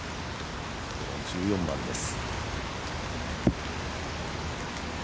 １４番です。